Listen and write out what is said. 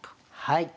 はい。